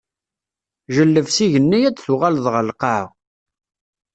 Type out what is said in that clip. Jelleb s igenni, ad d-tuɣaleḍ ɣeṛ lqaɛa.